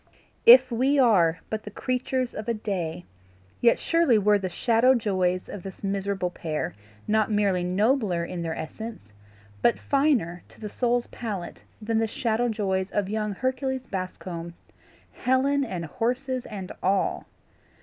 If we are but the creatures of a day, yet surely were the shadow joys of this miserable pair not merely nobler in their essence, but finer to the soul's palate than the shadow joys of young Hercules Bascombe Helen and horses and all!